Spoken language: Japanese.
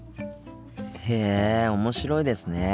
へえ面白いですね。